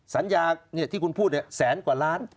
สัญญาที่คุณพูดแสนกว่าล้าน